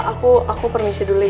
aku aku permisi dulu ya om